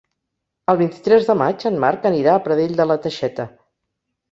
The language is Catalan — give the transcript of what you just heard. El vint-i-tres de maig en Marc anirà a Pradell de la Teixeta.